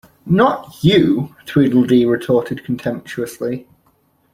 ‘Not you!’ Tweedledee retorted contemptuously.